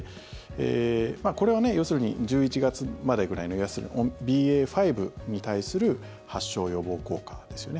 これは要するに１１月までくらいの要するにＢＡ．５に対する発症予防効果ですよね。